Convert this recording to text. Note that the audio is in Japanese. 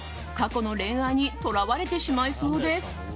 過去の恋愛にとらわれてしまいそうです。